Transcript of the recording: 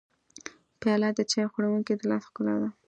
پیاله د چای خوړونکي د لاس ښکلا ده.